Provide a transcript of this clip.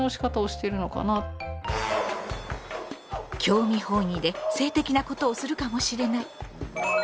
興味本位で性的なことをするかもしれない。